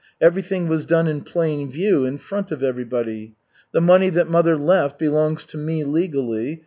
Everything was done in plain view, in front of everybody. The money that mother left belongs to me legally.